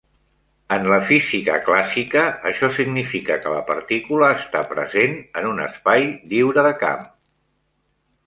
En la física clàssica, això significa que la partícula està present en un espai "lliure de camp".